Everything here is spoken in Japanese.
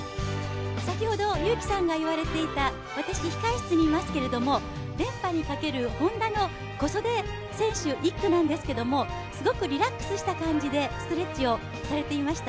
先ほど佑樹さんが言われていた、私控え室にいますけれども、連覇にかけるＨｏｎｄａの小袖選手、１区なんですけどすごくリラックスした感じでストレッチをされていました。